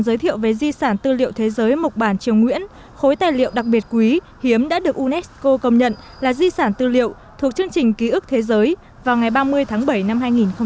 di sản tư liệu thế giới mục bản triều nguyễn khối tài liệu đặc biệt quý hiếm đã được unesco công nhận là di sản tư liệu thuộc chương trình ký ức thế giới vào ngày ba mươi tháng bảy năm hai nghìn chín